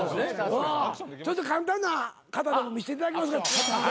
ちょっと簡単な形でも見せていただけますか？